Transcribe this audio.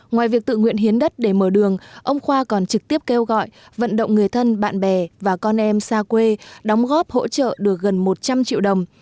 ngoài việc tự nguyện hiến đất để mở đường ông khoa còn trực tiếp kêu gọi vận động người thân bạn bè và con em xa quê đóng góp hỗ trợ được gần một trăm linh triệu đồng